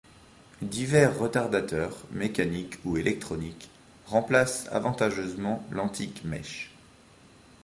Divers retardateurs mécaniques ou électroniques remplacent avantageusement l'antique mèche.